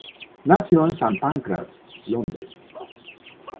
Nació en St Pancras, Londres.